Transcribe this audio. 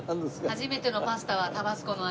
初めてのパスタはタバスコの味。